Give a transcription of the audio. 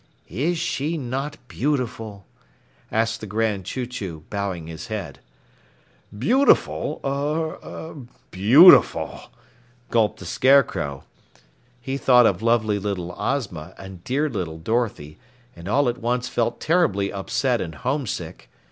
"Is she not beautiful?" asked the Grand Chew Chew, bowing his head. "Beautiful er er, beautiful!" gulped the Scarecrow. He thought of lovely little Ozma and dear little Dorothy, and all at once felt terribly upset and homesick.